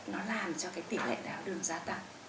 nó làm cho cái tỷ lệ tài thao đường giả tăng